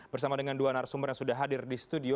bersama dengan dua narasumber yang sudah hadir di studio